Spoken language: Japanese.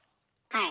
はい。